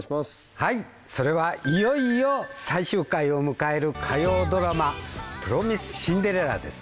はいそれはいよいよ最終回を迎える火曜ドラマ「プロミス・シンデレラ」です